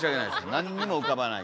何にも浮かばない。